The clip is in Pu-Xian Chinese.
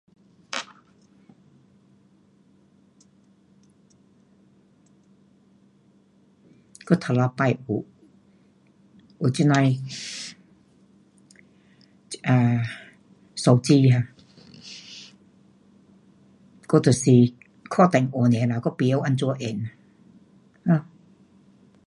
我第一次有，有这样的，啊，手机哈，我就是看电话尔啦，我甭晓怎样用。